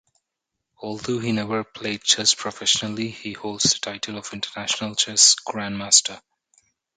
Although he never played chess professionally, he holds the title of International Chess Grandmaster.